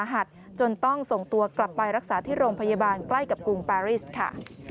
ด้วยจำนวนนี้อาการสาหัสจนต้องส่งตัวกลับไปรักษาที่โรงพยาบาลใกล้กับกรุงปารีสค่ะ